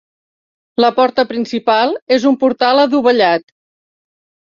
La porta principal és un portal adovellat.